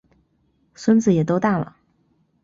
孙子也都大了